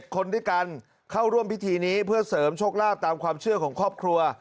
คนด้วยกันเข้าร่วมพิธีนี้เพื่อเสริมโชคลาภตามความเชื่อของครอบครัว